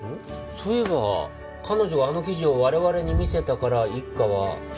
そういえば彼女があの記事を我々に見せたから一課は蘭を採取した。